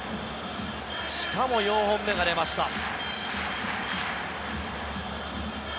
しかも今日、４本目が出ました。